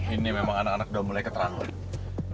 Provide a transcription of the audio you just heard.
ini memang anak anak udah mulai keterang terang